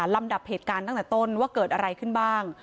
ลำดับเหตุการณ์ตั้งแต่ต้นว่าเกิดอะไรขึ้นบ้าง